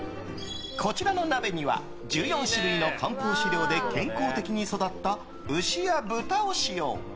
こちらの鍋には１４種類の漢方飼料で健康的に育った牛や豚を使用。